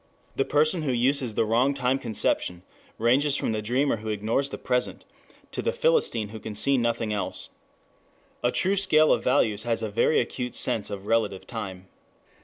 The person who uses the wrong time conception ranges from the dreamer who ignores the present to the philistine who can see nothing else. A true scale of values has a very acute sense of relative time.